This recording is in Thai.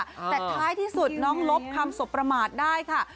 แต่ท้ายที่สุดน้องลบคำสบประมาทได้ค่ะ